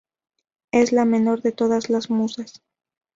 Es la menor de todas las musas.